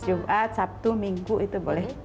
jumat sabtu minggu itu boleh